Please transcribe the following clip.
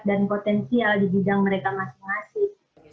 potensial di bidang mereka masing masing